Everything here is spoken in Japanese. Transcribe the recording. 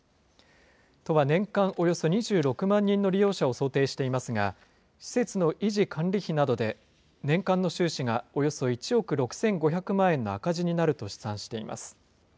都は年間およそ２６万人の利用者を想定していますが、施設の維持・管理費などで年間の収支がおよそ１億６５００万円の赤字になると試算しています。